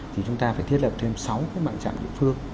thì chúng ta phải thiết lập thêm sáu cái mạng trạng địa phương